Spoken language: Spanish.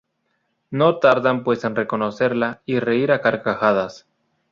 No tardan pues en reconocerla y reír a carcajadas.